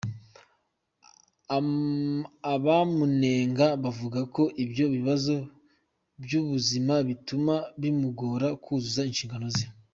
Abamunenga bavuga ko ibyo bibazo by'ubuzima bituma bimugora kuzuza inshingano ze.